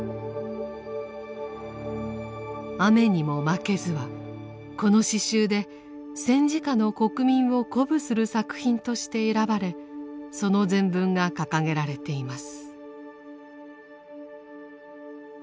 「雨ニモマケズ」はこの詩集で戦時下の国民を鼓舞する作品として選ばれその全文が掲げられています。